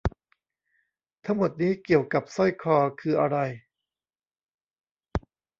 ทั้งหมดนี้เกี่ยวกับสร้อยคอคืออะไร ?